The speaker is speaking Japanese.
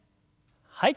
はい。